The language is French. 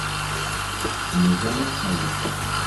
Ne jamais trahir.